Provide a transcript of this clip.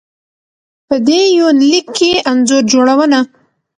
په دې يونليک کې انځور جوړونه